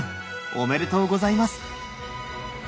おめでとうございます。